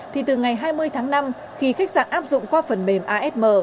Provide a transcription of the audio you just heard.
thì từ ngày hai mươi tháng năm khi khách sạn áp dụng qua phần mềm asm